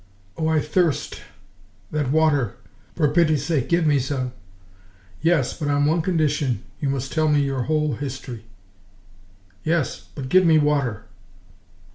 "Oh! I thirst that water! ... For pity's sake, give me some!" "Yes, but on one condition you must tell me your whole history." "Yes ... but give me water!"